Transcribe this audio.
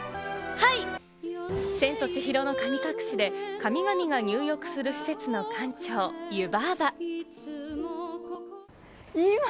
『千と千尋の神隠し』で神々が入浴する施設の館長・湯婆婆。